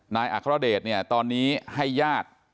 นายอาคารเดชตอนนี้ให้ญาติ